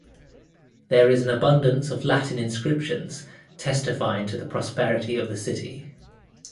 There is an abundance of Latin inscriptions testifying to the prosperity of the city.